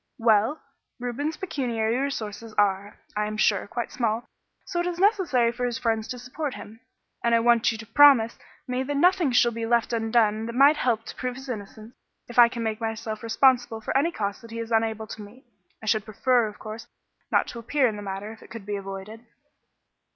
"Well, Reuben's pecuniary resources are, I am sure, quite small, so it is necessary for his friends to support him, and I want you to promise me that nothing shall be left undone that might help to prove his innocence if I make myself responsible for any costs that he is unable to meet. I should prefer, of course, not to appear in the matter, if it could be avoided."